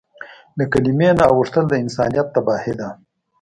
له کلیمې نه اوښتل د انسانیت تباهي ده.